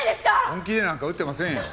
本気でなんか打ってませんよ。